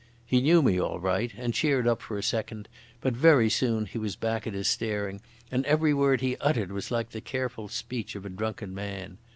He knew me all right and cheered up for a second, but very soon he was back at his staring, and every word he uttered was like the careful speech of a drunken man.